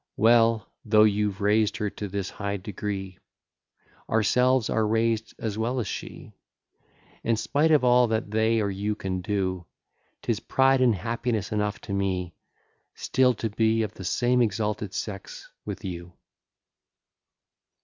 Well though you've raised her to this high degree, Ourselves are raised as well as she; And, spite of all that they or you can do, 'Tis pride and happiness enough to me, Still to be of the same exalted sex with you.